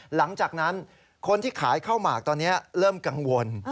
หลังจากนั้นคนที่ขายข้าวหมากตอนนี้เริ่มกังวล